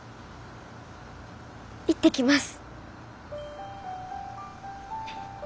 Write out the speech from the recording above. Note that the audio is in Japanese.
行ってきます！